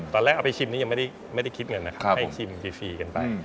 ตอนแรกเอาไปชิมนี้ยังไม่ได้คิดเงินนะครับให้ชิมฟรีกันไป